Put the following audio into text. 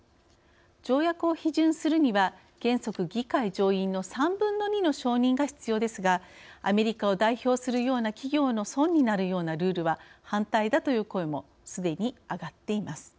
条約を批准するには原則、議会上院の３分の２の承認が必要ですがアメリカを代表するような企業の損になるようなルールは反対だという声もすでに上がっています。